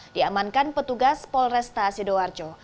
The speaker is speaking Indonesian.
diamankan petugas polresta sidoarjo